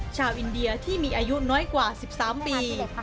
ชาวอินเดียที่มีอายุน้อยกว่า๑๓ปี